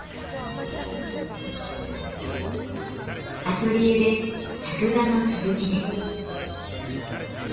アトリエで作画の続きです。